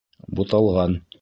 Буталған.